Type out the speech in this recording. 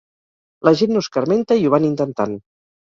La gent no escarmenta i ho van intentant.